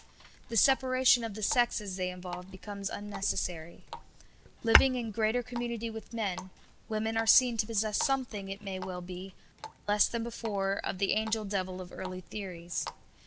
The separation of the sexes they involve becomes unnecessary. Living in greater community with men, women are seen to possess something, it may well be, but less than before, of the angel devil of early theories.